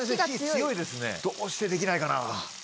どうしてできないかな？